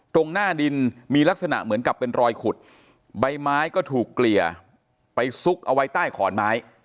ตรงหน้าดินมีลักษณะเหมือนกับเป็นรอยขุดใบไม้ก็ถูกเกลี่ยไปซุกเอาไว้ใต้ขอนไม้